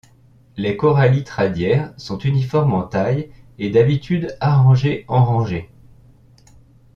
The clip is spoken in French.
Les corallites radiaires sont uniformes en taille et d'habitude arrangé en rangées.